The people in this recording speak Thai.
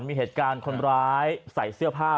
มีเหตุการณ์คนร้ายใส่เสื้อผ้า